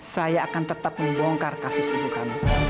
saya akan tetap membongkar kasus ibu kami